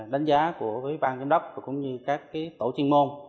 đánh giá của ban kiếm đốc cũng như các tổ chuyên môn